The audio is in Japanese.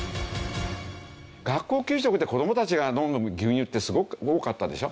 学校給食で子どもたちが飲む牛乳ってすごく多かったでしょ。